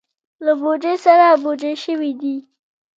له بوجیو سره بوجۍ شوي دي.